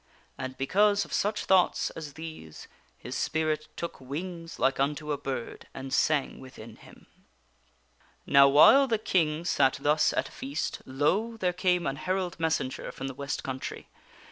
And because of such thoughts as these, his spirit took wings like unto a bird and sang within him. Now while the King sat thus at feast, lo ! there came an herald messenger from the west country.